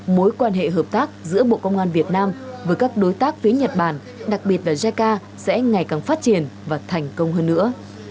mối quan hệ hợp tác giữa bộ công an việt nam với các đối tác phía nhật bản đặc biệt là jica sẽ ngày càng phát triển và thành công hơn nữa